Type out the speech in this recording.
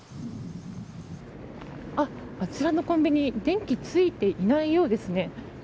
こちらのコンビニ電気がついていないようですね。